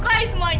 kamu dusta tolong